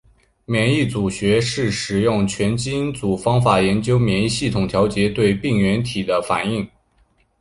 免疫组学是使用全基因组方法研究免疫系统调节和对病原体的反应。